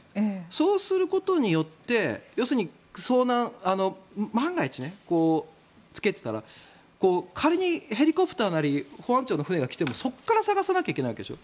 そうすることで遭難万が一、着けていたら仮にヘリコプターなり保安庁の船が来てもそこから捜さないといけないわけでしょ。